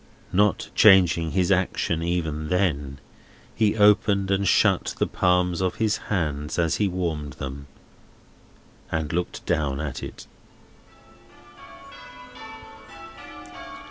Not changing his action even then, he opened and shut the palms of his hands as he warmed them, and looked down at it.